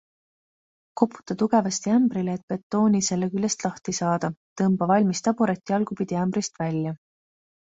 Koputa tugevasti ämbrile, et betooni selle küljest lahti saada, tõmba valmis taburet jalgupidi ämbrist välja.